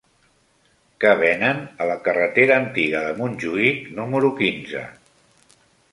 Què venen a la carretera Antiga de Montjuïc número quinze?